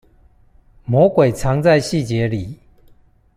魔鬼藏在細節裡